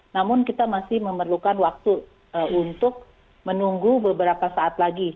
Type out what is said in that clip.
namun kita masih memerlukan waktu untuk menunggu beberapa saat lagi